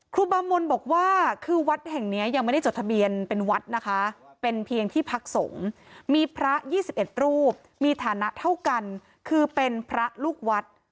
ครูบามนบอกว่าคือวัดแห่งนี้ยังไม่ได้จดทะเบียนเป็นวัดนะคะเป็นเพียงที่พักสงฆ์มีพระ๒๑รูปมีฐานะเท่ากันคือเป็นพระลูกวัด